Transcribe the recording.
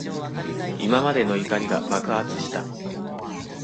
今までの怒りが爆発した。